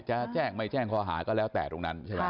จะแจ้งไม่แจ้งข้อหาก็แล้วแต่ตรงนั้นใช่ไหม